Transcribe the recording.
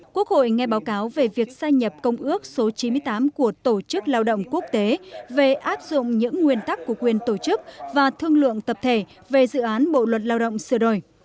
quốc hội nghe báo cáo về việc sai nhập công ước số chín mươi tám của tổ chức lao động quốc tế về áp dụng những nguyên tắc của quyền tổ chức và thương lượng tập thể về dự án bộ luật lao động sửa đổi